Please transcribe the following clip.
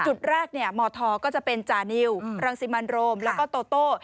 จุดแรกมธก็จะเป็นจานิวรังสิมันโรมแล้วก็โตโต้